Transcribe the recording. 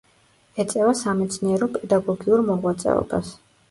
ეწევა სამეცნიერო-პედაგოგიურ მოღვაწეობას.